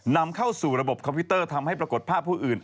นำเข้าสู่ระบบคอมพิวเตอร์ทำให้ปรากฏภาพผู้อื่น